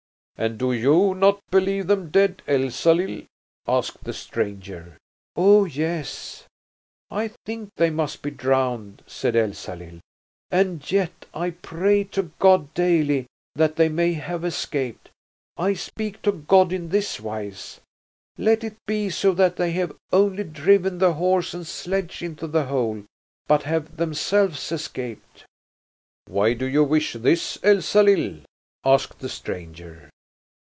"And do you not believe them dead, Elsalill?" asked the stranger. "Oh, yes, I think they must be drowned," said Elsalill; "and yet I pray to God daily that they may have escaped. I speak to God in this wise: 'Let it be so that they have only driven the horse and the sledge into the hole, but have themselves escaped.'" "Why do you wish this, Elsalill?" asked the stranger.